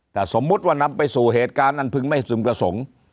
แต่สมมุติว่านำไปสู่เหตุการณ์อันพึงไม่ซึมประสงค์